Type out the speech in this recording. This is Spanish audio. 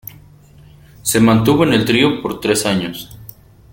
Se mantuvo en el trío por tres años.